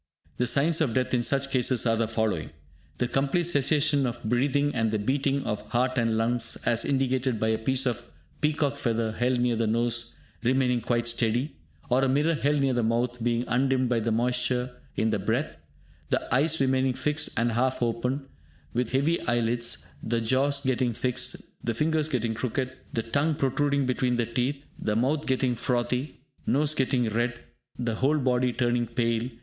The signs of death in such cases are the following. The complete cessation of breathing and the beating of heart and lungs, as indicated by a piece of peacock feather held near the nose remaining quite steady, or a mirror held near the mouth being undimmed by the moisture in the breath; the eyes remaining fixed and half open, with heavy eye lids; the jaws getting fixed; the fingers getting crooked; the tongue protruding between the teeth; the mouth getting frothy; nose getting red; the whole body turning pale.